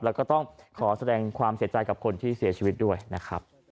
แล้วก็ต้องขอแสดงความเสียใจกับคนที่เสียชีวิตด้วยนะครับ